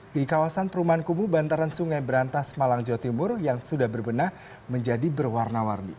di kawasan perumahan kubu bantaran sungai berantas malang jawa timur yang sudah berbenah menjadi berwarna warni